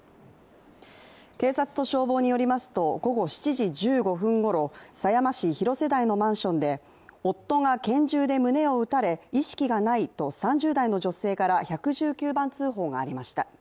警察と消防によりますと、午後７時１５分ごろ、狭山市広瀬台のマンションで、夫が拳銃で胸を撃たれ、意識がないと３０代の女性から１１９番通報がありました。